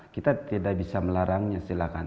kita tidak bisa melarangnya silakan